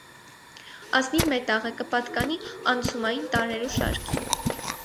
Ազնիւ մետաղ է, կը պատկանի անցումային տարրերու շարքին։